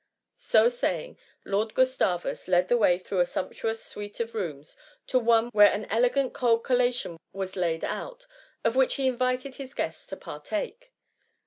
^ So saying, Lord Gustavus led the way through a sumptuous suite of rooms, to one where an elegant cold collation was laid out, of which he invited his guests to partake.